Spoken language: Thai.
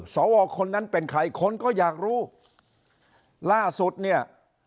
สวคนนั้นเป็นใครคนก็อยากรู้ล่าสุดเนี่ย